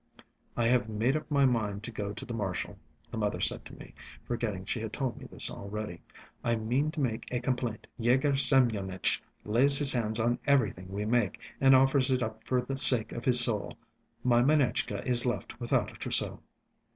"I have made up my mind to go to the Marshal," the mother said to me, forgetting she had told me this already. "I mean to make a complaint. Yegor Semyonitch lays his hands on everything we make, and offers it up for the sake of his soul. My Manetchka is left without a trousseau."